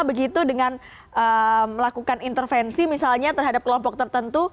begitu dengan melakukan intervensi misalnya terhadap kelompok tertentu